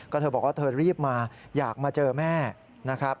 ก็เธอบอกว่าเธอรีบมาอยากมาเจอแม่นะครับ